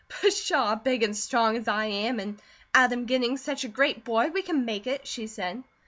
"Pshaw! Big and strong as I am, and Adam getting such a great boy, we can make it," she said.